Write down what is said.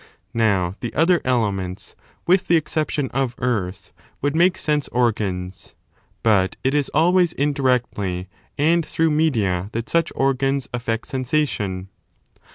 Now the other elements, with the exception of earth, would make sense organs: but it is always indirectly and through media that such organs effect sensation.